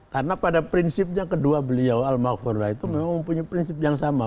karena pada prinsipnya kedua beliau almarfurullah itu memang punya prinsip yang sama